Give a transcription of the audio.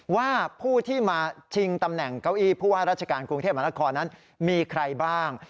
ว่าผู้ที่มาชิงตำแหน่งเก้าอี้ผู้ว่าราชการกรุงเทพมหานครนั้นมีใครบ้าง